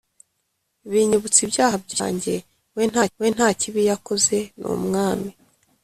Binyibutsa ibyaha byanjye we ntakibi yakoze ni umwami